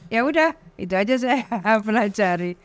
ya udah itu aja saya pelajari